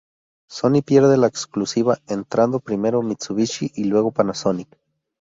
Sony pierde la exclusiva entrado primero Mitsubishi y luego Panasonic.